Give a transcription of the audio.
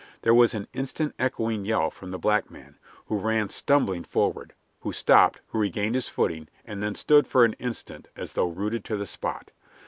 There was an instant echoing yell from the black man, who ran stumbling forward, who stopped, who regained his footing, and then stood for an instant as though rooted to the spot.